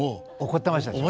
怒ってましたね。